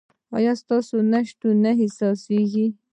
ایا ستاسو نشتون نه احساسیږي؟